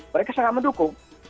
mereka sangat mendukung